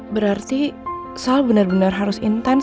berarti sal benar benar harus intense